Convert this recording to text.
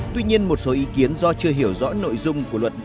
tuy nhiên một số ý kiến do chưa hiểu rõ nội dung của luật